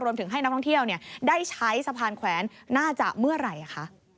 ให้นักท่องเที่ยวได้ใช้สะพานแขวนน่าจะเมื่อไหร่คะ